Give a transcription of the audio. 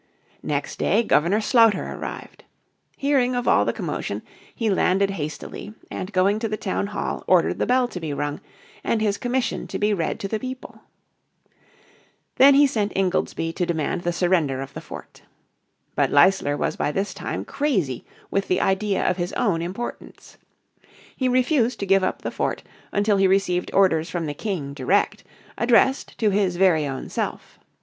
Next day Governor Sloughter arrived. Hearing of all the commotion he landed hastily, and going to the town hall ordered the bell to be rung, and his commission to be read to the people. Then he sent Ingoldsby to demand the surrender of the fort. But Leisler was by this time crazy with the idea of his own importance. He refused to give up the fort until he received orders from the King direct, addressed to his very own self.